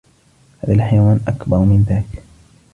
هذا الحيوان أكبر من ذاك.